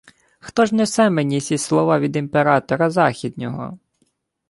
— Хто ж несе мені сі слова від імператора західнього?